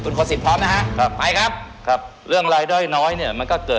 คุณโฯษฏพร้อมนะคะ